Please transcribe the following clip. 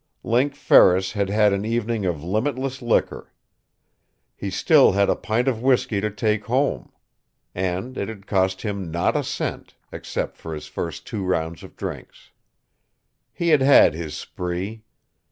Link Ferris had had an evening of limitless liquor. He still had a pint of whisky to take home. And it had cost him not a cent, except for his first two rounds of drinks. He had had his spree.